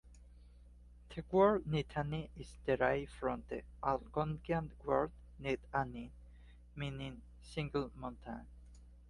The word "Nittany" is derived from the Algonquian word "Nit-A-Nee" meaning "single mountain".